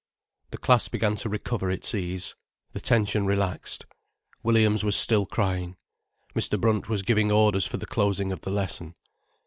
The class began to recover its ease, the tension relaxed. Williams was still crying. Mr. Brunt was giving orders for the closing of the lesson.